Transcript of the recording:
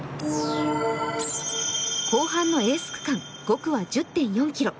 後半のエース区間５区は１０．４ｋｍ。